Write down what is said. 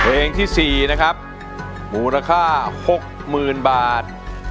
เพลงที่๔นะครับมูลค่า๖๐๐๐๐บาท